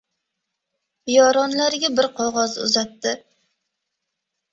Yoronlariga bir qog‘oz uzatdi.